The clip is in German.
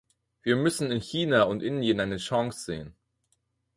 Wir müssen in China und Indien eine Chance sehen.